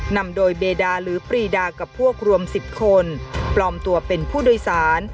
นำโดยเบดาหรือปรีดากับพวกรวม๑๐คนปลอมตัวเป็นผู้โดยสาร